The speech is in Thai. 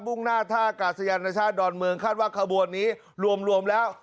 ่งหน้าท่ากาศยานชาติดอนเมืองคาดว่าขบวนนี้รวมแล้ว